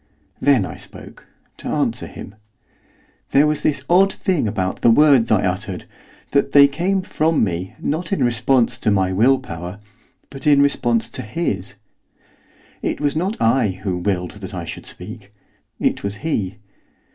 Then I spoke, to answer him. There was this odd thing about the words I uttered, that they came from me, not in response to my will power, but in response to his. It was not I who willed that I should speak; it was he.